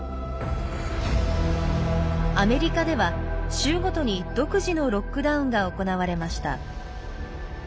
アメリカでは州ごとに独自のロックダウンが行われました。